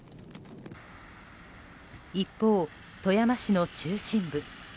一方、富山市の中心部。